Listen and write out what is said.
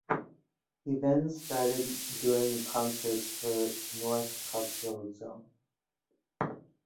He then started doing concerts for north cultural zone.